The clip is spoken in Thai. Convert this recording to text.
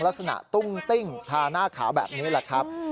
ตุ้งติ้งทาหน้าขาวแบบนี้แหละครับ